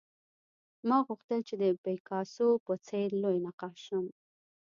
ما غوښتل چې د پیکاسو په څېر لوی نقاش شم